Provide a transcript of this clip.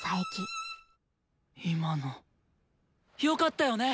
今のよかったよね？